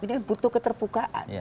ini butuh keterbukaan